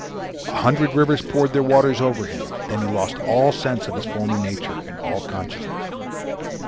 A hundred rivers poured their waters over him. Then he lost all sense of his former nature and all consciousness.